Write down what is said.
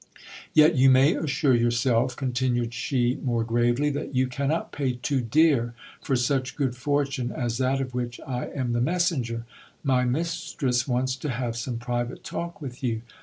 Yet you may assure yourself, continued she more gravely, that you cannot pay too dear for such good fortune as that of which I am the messenger. My mis tress wants to have some private talk with you.